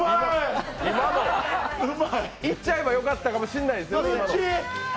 今の、行っちゃえばよかったかもしれないですよね。